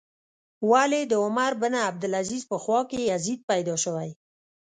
ولې د عمر بن عبدالعزیز په خوا کې یزید پیدا شوی.